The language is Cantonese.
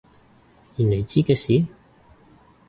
原來知嘅事？